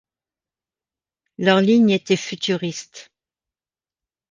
Leur ligne était futuriste.